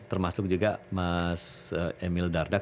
termasuk juga mas emil dardak